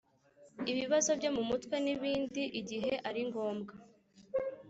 ibibazo byo mu mutwe n’ibindi igihe ari ngomb-wa,